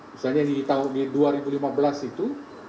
misalnya di dua ribu lima belas itu